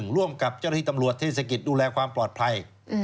ร่วมกับเจ้าหน้าที่ตำรวจเทศกิจดูแลความปลอดภัย